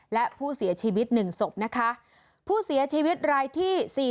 และผู้เสียชีวิต๑ศพนะคะผู้เสียชีวิตรายที่๔๔